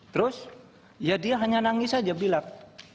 terus ya dia hanya nangis saja bilang